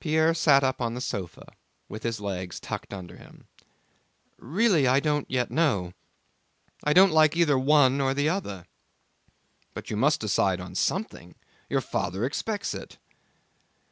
Pierre sat up on the sofa, with his legs tucked under him. "Really, I don't yet know. I don't like either the one or the other." "But you must decide on something! Your father expects it."